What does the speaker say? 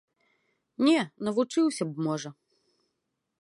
Не, навучыўся б, можа.